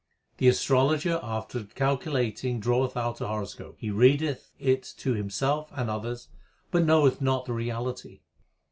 The astrologer after calculating draweth out a horoscope ; He readeth it to himself and others, but knoweth not the reality.